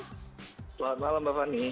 selamat malam mbak fani